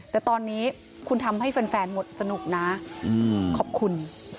แต่ตอนนี้คุณทำให้แฟนหมดสนุกนะขอบคุณ